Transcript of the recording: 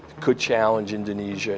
bisa menantang indonesia